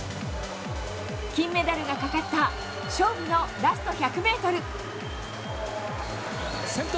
金メダルがかかった勝負のラスト１００ｍ。